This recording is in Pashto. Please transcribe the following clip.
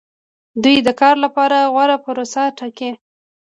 دوی د کار لپاره غوره پروسه ټاکي.